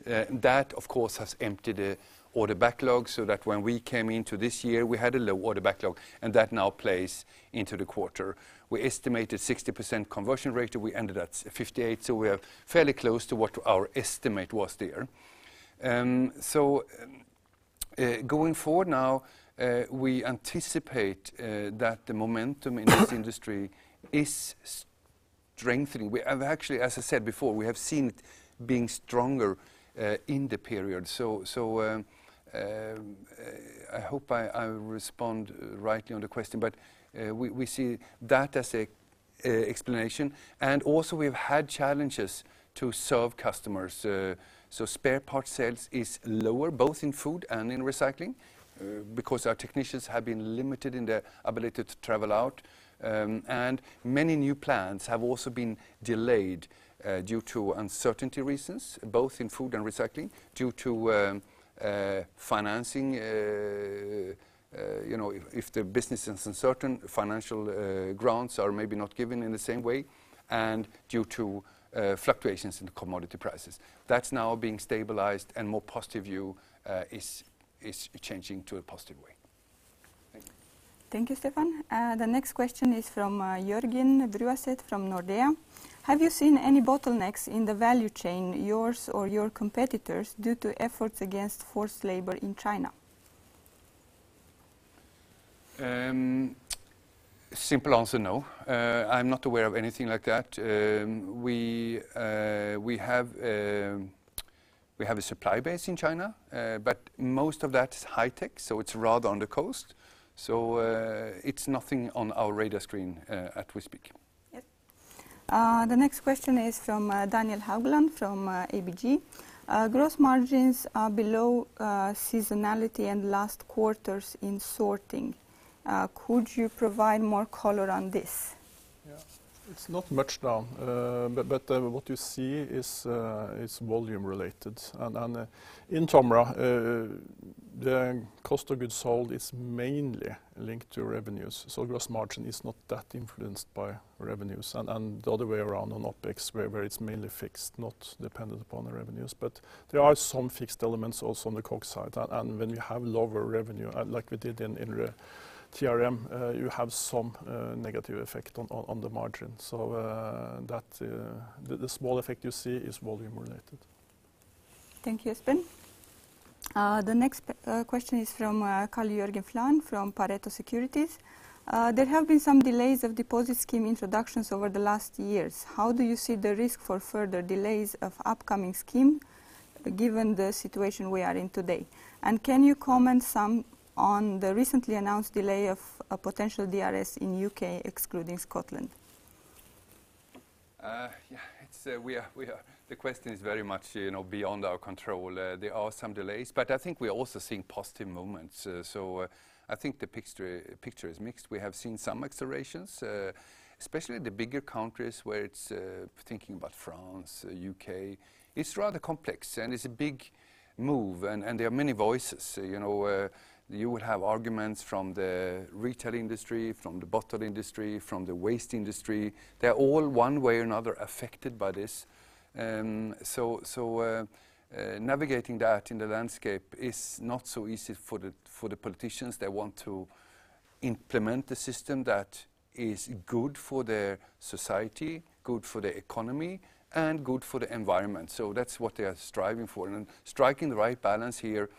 that, of course, has emptied the order backlog so that when we came into this year, we had a low order backlog, and that now plays into the quarter. We estimated 60% conversion rate, we ended at 58, so we are fairly close to what our estimate was there. Going forward now, we anticipate that the momentum in this industry is strengthening. As I said before, we have seen it being stronger in the period. I hope I respond rightly on the question, but we see that as an explanation. Also we've had challenges to serve customers. Spare part sales is lower both in TOMRA Food and in TOMRA Recycling because our technicians have been limited in their ability to travel out. Many new plans have also been delayed due to uncertainty reasons, both in TOMRA Food and TOMRA Recycling, due to financing. If the business is uncertain, financial grants are maybe not given in the same way, and due to fluctuations in commodity prices. That's now being stabilized and more positive view is changing to a positive way.
Thank you. Thank you, Stefan. The next question is from Jørgen Rudau from Nordea. Have you seen any bottlenecks in the value chain, yours or your competitors, due to efforts against forced labor in China?
Simple answer, no. I'm not aware of anything like that. We have a supply base in China, but most of that is high tech, so it's rather on the coast. It's nothing on our radar screen as we speak.
Yep. The next question is from Daniel Haugland from ABG. Gross margins are below seasonality in last quarters in sorting. Could you provide more color on this?
Yeah. It's not much down, but what you see is volume related, and in Tomra, the cost of goods sold is mainly linked to revenues. Gross margin is not that influenced by revenues, and the other way around on OpEx, where it's mainly fixed, not dependent upon the revenues. But there are some fixed elements also on the COGS side, and when you have lower revenue, like we did in TRM, you have some negative effect on the margin. The small effect you see is volume related.
Thank you, Espen Gundersen. The next question is from Gard Aarvik from Pareto Securities. "There have been some delays of deposit scheme introductions over the last years. How do you see the risk for further delays of upcoming scheme given the situation we are in today? Can you comment some on the recently announced delay of a potential DRS in U.K. excluding Scotland?
Yeah. The question is very much beyond our control. There are some delays, but I think we are also seeing positive moments. I think the picture is mixed. We have seen some accelerations, especially the bigger countries, thinking about France, U.K. It's rather complex, and it's a big move, and there are many voices. You would have arguments from the retail industry, from the bottle industry, from the waste industry. They're all one way or another affected by this. Navigating that in the landscape is not so easy for the politicians that want to implement the system that is good for their society, good for the economy, and good for the environment. That's what they are striving for, and striking the right balance here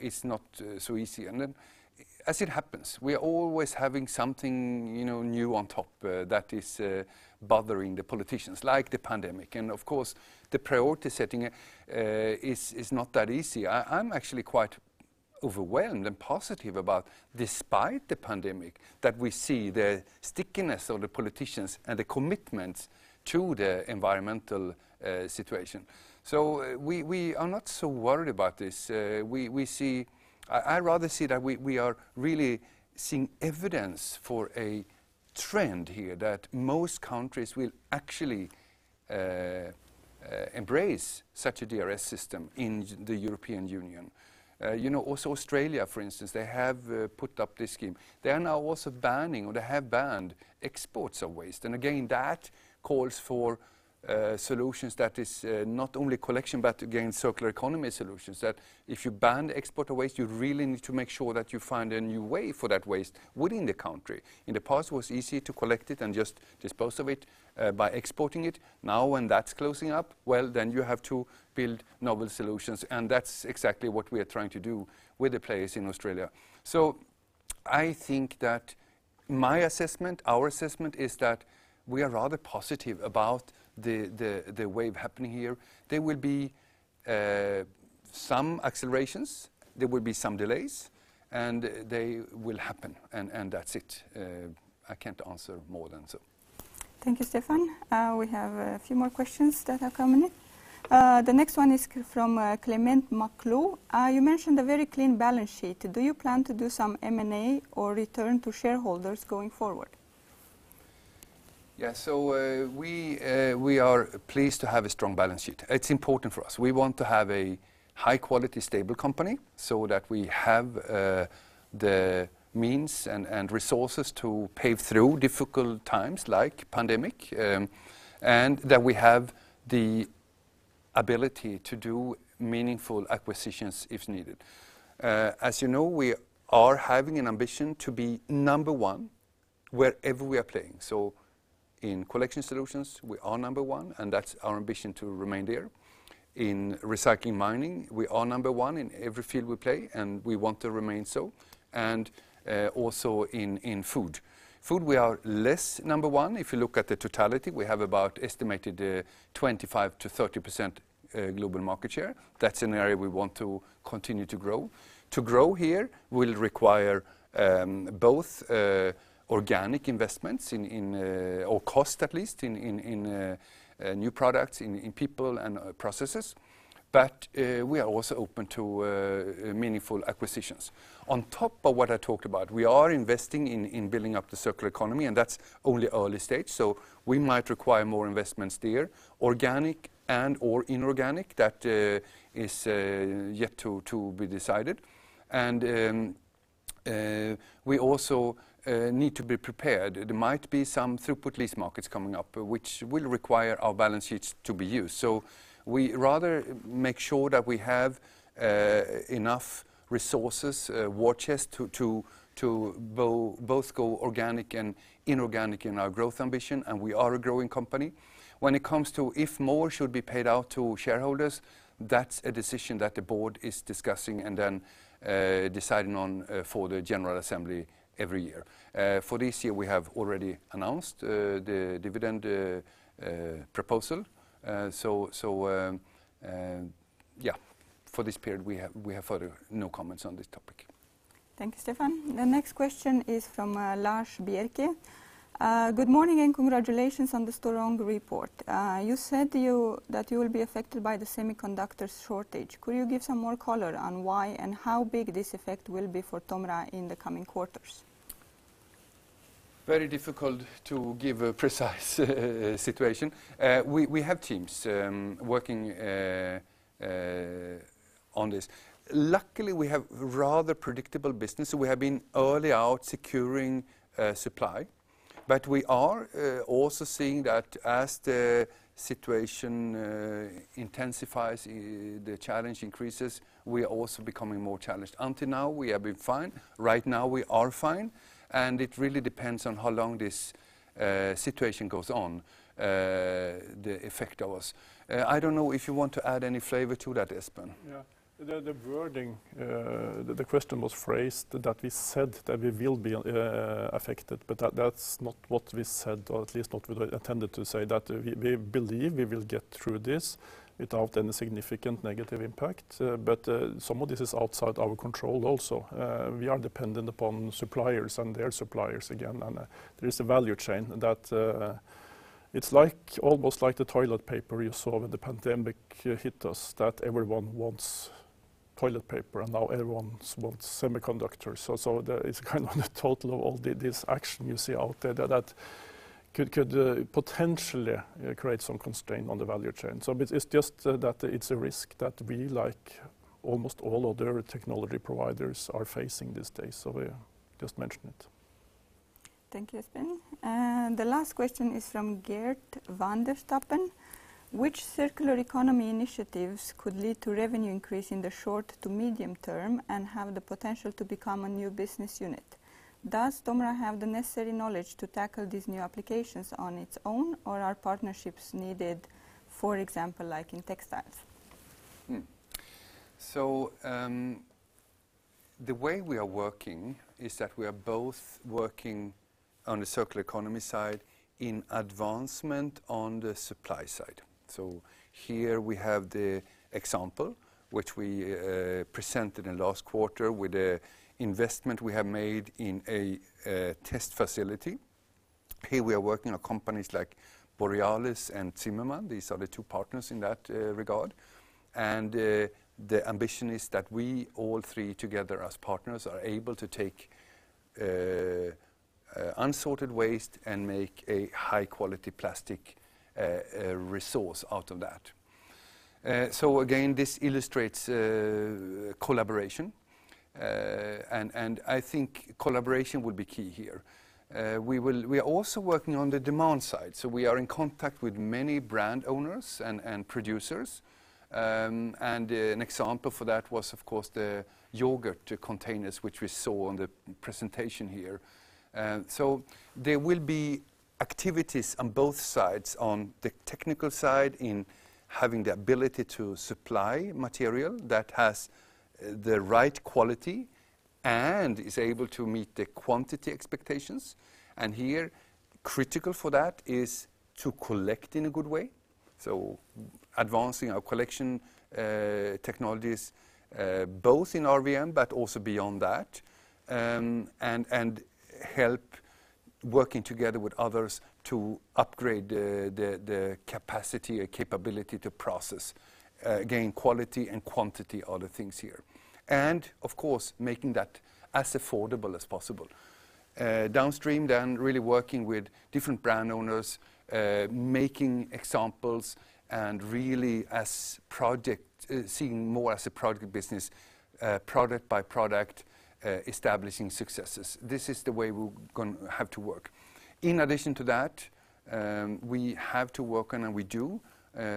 is not so easy. Then as it happens, we are always having something new on top that is bothering the politicians, like the pandemic, and of course, the priority setting is not that easy. I am actually quite overwhelmed and positive about despite the pandemic, that we see the stickiness of the politicians and the commitment to the environmental situation. We are not so worried about this. I rather see that we are really seeing evidence for a trend here that most countries will actually embrace such a DRS system in the European Union. Also Australia, for instance, they have put up this scheme. They are now also banning, or they have banned exports of waste. Again, that calls for solutions that is not only collection, but again, Circular Economy solutions, that if you ban the export of waste, you really need to make sure that you find a new way for that waste within the country. In the past, it was easy to collect it and just dispose of it by exporting it. When that's closing up, well, then you have to build novel solutions, and that's exactly what we are trying to do with the players in Australia. I think that my assessment, our assessment, is that we are rather positive about the wave happening here. There will be some accelerations, there will be some delays, and they will happen, and that's it. I can't answer more than so.
Thank you, Stefan. We have a few more questions that are coming in. The next one is from Clement Klep. "You mentioned a very clean balance sheet. Do you plan to do some M&A or return to shareholders going forward?
We are pleased to have a strong balance sheet. It's important for us. We want to have a high-quality, stable company so that we have the means and resources to pave through difficult times like pandemic, and that we have the ability to do meaningful acquisitions if needed. As you know, we are having an ambition to be number one wherever we are playing. In TOMRA Collection, we are number one, and that's our ambition to remain there. In TOMRA Recycling, we are number one in every field we play, and we want to remain so, and also in TOMRA Food. TOMRA Food, we are less number one. If you look at the totality, we have about estimated 25%-30% global market share. That's an area we want to continue to grow. To grow here will require both organic investments, or cost at least, in new products, in people, and processes. We are also open to meaningful acquisitions. On top of what I talked about, we are investing in building up the Circular Economy, and that's only early stage, so we might require more investments there, organic and/or inorganic. That is yet to be decided. We also need to be prepared. There might be some throughput lease markets coming up, which will require our balance sheets to be used. We rather make sure that we have enough resources war chest to both go organic and inorganic in our growth ambition, and we are a growing company. When it comes to if more should be paid out to shareholders, that's a decision that the board is discussing and then deciding on for the general assembly every year. For this year, we have already announced the dividend proposal. Yeah, for this period, we have further no comments on this topic.
Thank you, Stefan. The next question is from Lars Bjerke. "Good morning, and congratulations on the strong report. You said that you will be affected by the semiconductor shortage. Could you give some more color on why and how big this effect will be for Tomra in the coming quarters?
Very difficult to give a precise situation. We have teams working on this. Luckily, we have rather predictable business, so we have been early out securing supply. We are also seeing that as the situation intensifies, the challenge increases, we are also becoming more challenged. Until now, we have been fine. Right now, we are fine, and it really depends on how long this situation goes on the effect of us. I don't know if you want to add any flavor to that, Espen.
Yeah. The wording, the question was phrased that we said that we will be affected, but that's not what we said, or at least not what I intended to say, that we believe we will get through this without any significant negative impact, but some of this is outside our control also. We are dependent upon suppliers and their suppliers again, there is a value chain that it's almost like the toilet paper you saw when the pandemic hit us, that everyone wants toilet paper, and now everyone wants semiconductors. It's kind of the total of all this action you see out there that could potentially create some constraint on the value chain. It's just that it's a risk that we like almost all other technology providers are facing these days. Yeah, just mention it.
Thank you, Espen. The last question is from Gert van der Steeg. Which Circular Economy initiatives could lead to revenue increase in the short to medium term and have the potential to become a new business unit? Does Tomra have the necessary knowledge to tackle these new applications on its own, or are partnerships needed, for example, like in textiles?
The way we are working is that we are both working on the Circular Economy side in advancement on the supply side. Here we have the example, which we presented in the last quarter with the investment we have made in a test facility. Here we are working on companies like Borealis and Zimmermann. These are the two partners in that regard. The ambition is that we all three together as partners are able to take unsorted waste and make a high-quality plastic resource out of that. Again, this illustrates collaboration, and I think collaboration will be key here. We are also working on the demand side. We are in contact with many brand owners and producers. An example for that was, of course, the yogurt containers, which we saw on the presentation here. There will be activities on both sides, on the technical side in having the ability to supply material that has the right quality and is able to meet the quantity expectations. Here, critical for that is to collect in a good way. Advancing our collection technologies, both in RVM, but also beyond that, and help working together with others to upgrade the capacity or capability to process, again, quality and quantity are the things here. Of course, making that as affordable as possible. Downstream, really working with different brand owners, making examples and really seeing more as a product business, product by product, establishing successes. This is the way we have to work. In addition to that, we have to work on, and we do,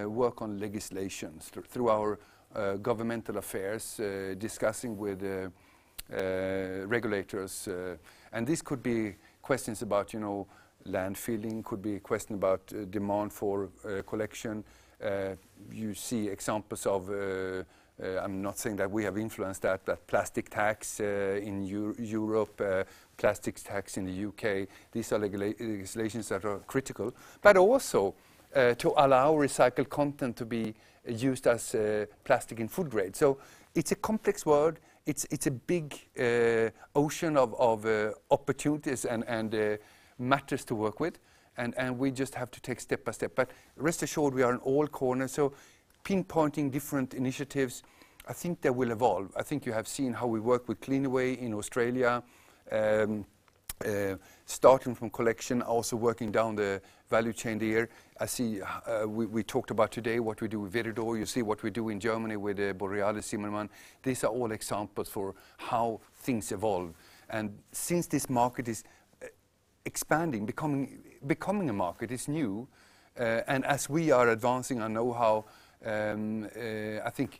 work on legislations through our governmental affairs, discussing with regulators. This could be questions about land filling, could be a question about demand for collection. You see examples of, I'm not saying that we have influenced that, but Plastics Tax in Europe, Plastics Tax in the U.K. These are legislations that are critical. Also to allow recycled content to be used as plastic in food grade. It's a complex world. It's a big ocean of opportunities and matters to work with, and we just have to take step by step. Rest assured, we are in all corners. Pinpointing different initiatives, I think they will evolve. I think you have seen how we work with Cleanaway in Australia, starting from collection, also working down the value chain there. We talked about today what we do with Viridor. You see what we do in Germany with Borealis, Zimmermann. These are all examples for how things evolve. Since this market is expanding, becoming a market, it's new. As we are advancing our knowhow, I think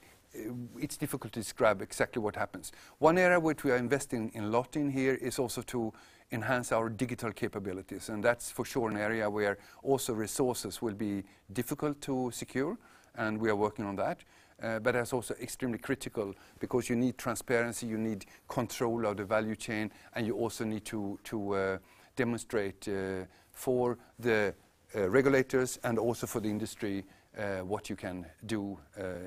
it's difficult to describe exactly what happens. One area which we are investing a lot in here is also to enhance our digital capabilities, and that's for sure an area where also resources will be difficult to secure, and we are working on that. That's also extremely critical because you need transparency, you need control of the value chain, and you also need to demonstrate, for the regulators and also for the industry, what you can do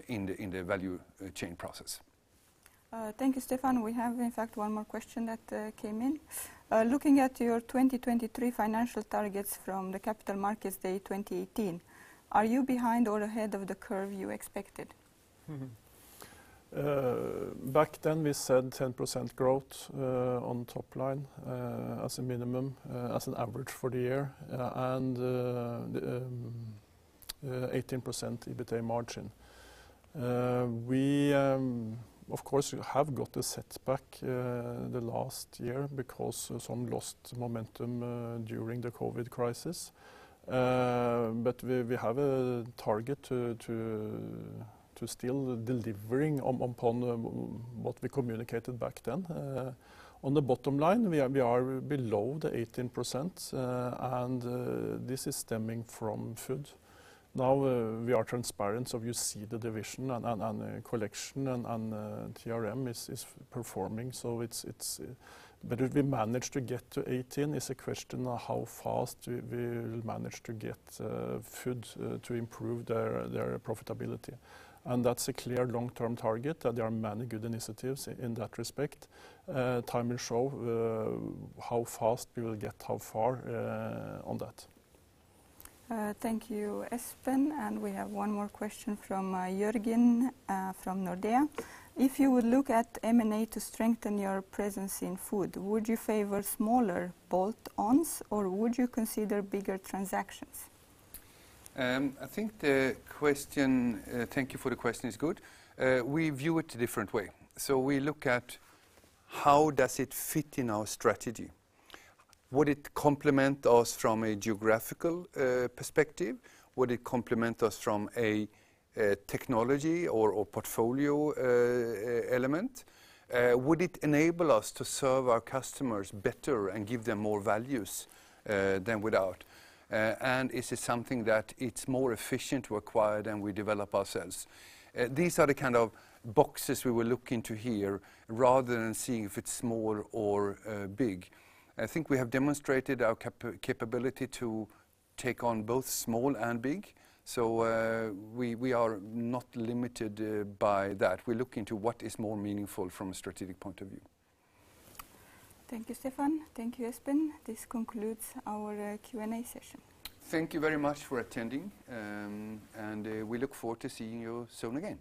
in the value chain process.
Thank you, Stefan. We have, in fact, one more question that came in. Looking at your 2023 financial targets from the Capital Markets Day 2018, are you behind or ahead of the curve you expected?
Back then, we said 10% growth on top line as a minimum, as an average for the year. 18% EBITDA margin. We, of course, have got a setback the last year because some lost momentum during the COVID crisis. We have a target to still delivering upon what we communicated back then. On the bottom line, we are below the 18%, and this is stemming from TOMRA Food. We are transparent, so you see the division and TOMRA Collection and TRM is performing. If we manage to get to 18% is a question of how fast we will manage to get TOMRA Food to improve their profitability. That's a clear long-term target, that there are many good initiatives in that respect. Time will show how fast we will get how far on that.
Thank you, Espen, and we have one more question from Jørgen from Nordea. If you would look at M&A to strengthen your presence in food, would you favor smaller bolt-ons, or would you consider bigger transactions?
I think the question, thank you for the question, is good. We view it a different way. We look at how does it fit in our strategy. Would it complement us from a geographical perspective? Would it complement us from a technology or portfolio element? Would it enable us to serve our customers better and give them more values, than without? Is it something that it's more efficient to acquire than we develop ourselves? These are the kind of boxes we will look into here, rather than seeing if it's small or big. I think we have demonstrated our capability to take on both small and big, so we are not limited by that. We look into what is more meaningful from a strategic point of view.
Thank you, Stefan. Thank you, Espen. This concludes our Q&A session.
Thank you very much for attending. We look forward to seeing you soon again.